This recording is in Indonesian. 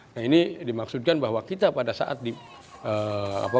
nah ini dimaksudkan bahwa kita pada saat di apa